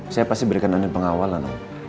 saya pasti berikan andi pengawalan no